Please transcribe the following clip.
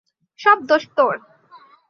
সব দোষ তোর!